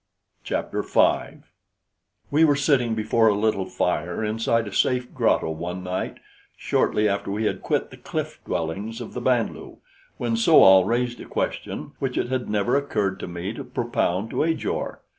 Chapter 5 We were sitting before a little fire inside a safe grotto one night shortly after we had quit the cliff dwellings of the Band lu, when So al raised a question which it had never occurred to me to propound to Ajor.